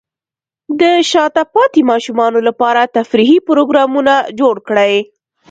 د شاته پاتې ماشومانو لپاره تفریحي پروګرامونه جوړ کړئ.